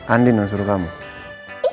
andien mas suruh kamu lihat